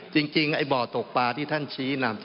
จริงไอ้บ่อตกปลาที่ท่านชี้นำ